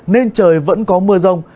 nên trời vẫn có mưa rông